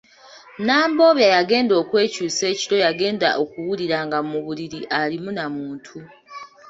Nambobya yagenda okwekyusa ekiro yagenda okuwulira nga mu buliri alimu na muntu.